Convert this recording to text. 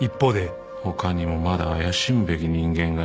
他にもまだ怪しむべき人間がいるんじゃ？